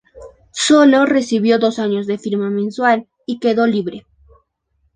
Sólo recibió dos años de firma mensual y quedó libre.